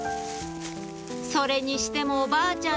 それにしてもおばあちゃん